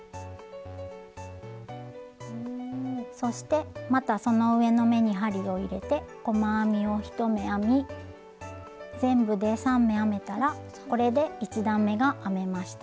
そしてまたその上の目に針を入れて細編みを１目編み全部で３目編めたらこれで１段めが編めました。